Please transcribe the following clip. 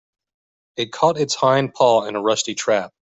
It caught its hind paw in a rusty trap.